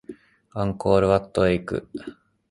アンコールワットへ行く